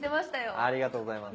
ありがとうございます。